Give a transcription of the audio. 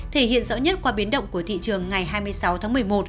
thể hiện rõ nhất qua biến động của thị trường ngày hai mươi sáu tháng một mươi một